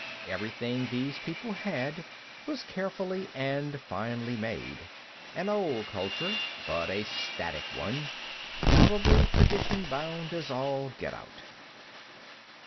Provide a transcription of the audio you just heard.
Everything these people had was carefully and finely made. An old culture, but a static one. Probably tradition bound as all get out.